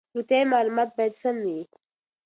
روغتیايي معلومات باید سم وي.